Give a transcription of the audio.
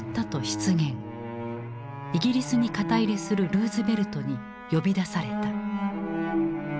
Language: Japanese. イギリスに肩入れするルーズベルトに呼び出された。